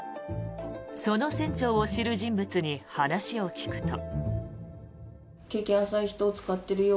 その船長を知る人物に話を聞くと。